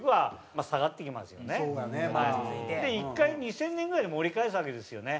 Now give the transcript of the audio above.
１回２０００年ぐらいに盛り返すわけですよね。